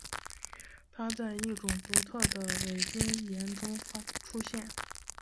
它在一种独特的伟晶岩中出现。